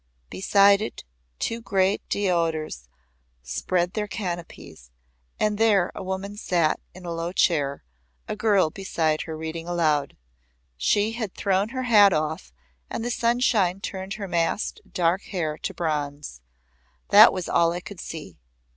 Beside it two great deodars spread their canopies, and there a woman sat in a low chair, a girl beside her reading aloud. She had thrown her hat off and the sunshine turned her massed dark hair to bronze. That was all I could see.